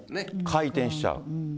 回転しちゃう。